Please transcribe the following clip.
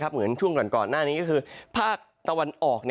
เหมือนช่วงก่อนหน้านี้ก็คือภาคตะวันออก